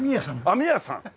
網屋さん！